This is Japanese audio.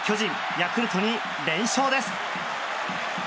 ヤクルトに連勝です。